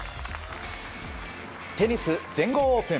テニス、全豪オープン。